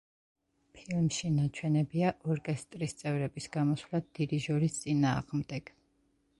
ფილმში ნაჩვენებია ორკესტრის წევრების გამოსვლა დირიჟორის წინააღმდეგ.